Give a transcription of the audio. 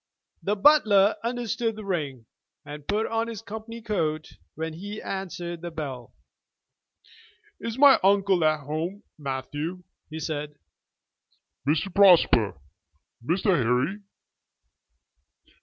The butler understood the ring, and put on his company coat when he answered the bell. "Is my uncle at home, Matthew?" he said. "Mr. Prosper, Mr. Harry?